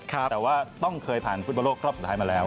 แต่ว่าต้องเคยผ่านฟุตบอลโลกรอบสุดท้ายมาแล้ว